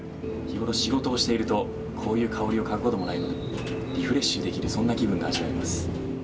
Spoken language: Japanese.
仕事をしていると、こういう香りをかぐことがないのでリフレッシュできるそんな気分が味わえます。